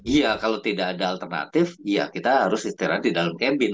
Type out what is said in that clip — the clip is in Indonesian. iya kalau tidak ada alternatif kita harus istirahat di dalam kembin